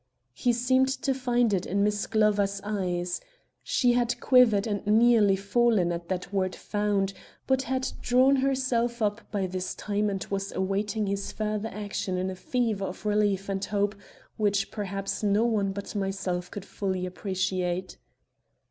He seemed to find it in Miss Glover's eyes. She had quivered and nearly fallen at that word found, but had drawn herself up by this time and was awaiting his further action in a fever of relief and hope which perhaps no one but myself could fully appreciate.